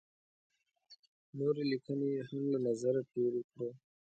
نورې لیکنې یې هم له نظره تېرې کړو.